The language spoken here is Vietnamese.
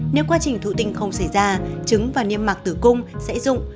nếu quá trình thụ tinh không xảy ra trứng và niêm mạc tử cung sẽ dụng